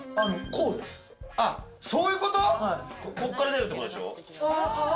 ここから出るって事でしょ？